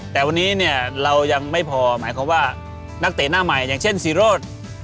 แต่วันนี้เนี่ยเรายังไม่พอหมายความว่านักเตะหน้าใหม่อย่างเช่นศิโรธ